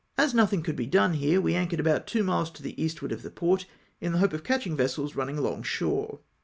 As nothing could be done here, we anchored about two miles to the eastward of the port, in the hope of catching vessels running along shore.